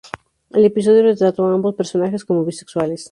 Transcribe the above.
El episodio retrató a ambos personajes como bisexuales.